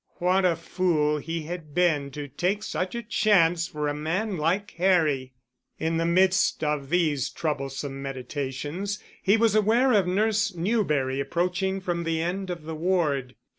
What a fool he had been to take such a chance for a man like Harry! In the midst of these troublesome meditations, he was aware of Nurse Newberry approaching from the end of the ward.